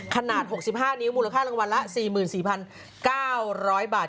ขนาด๖๕นิ้วมูลค่ารางวัลละ๔๔๙๐๐บาท